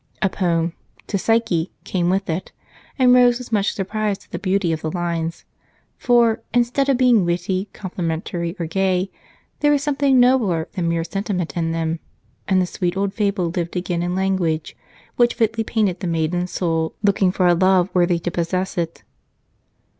A poem, "To Psyche," came with it, and Rose was much surprised at the beauty of the lines, for, instead of being witty, complimentary, or gay, there was something nobler than mere sentiment in them, and the sweet old fable lived again in language which fitly painted the maiden Soul looking for a Love worthy to possess it.